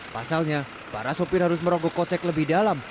pasalnya para sopir harus merogoh kocek lebih dalam